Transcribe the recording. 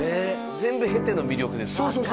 全部経ての魅力ですもんね